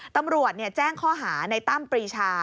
ตำรวจแจ้งข้อหาในตั้มปรีชา